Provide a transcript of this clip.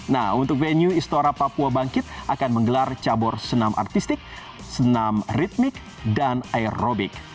nah untuk venue istora papua bangkit akan menggelar cabur senam artistik senam ritmic dan aerobik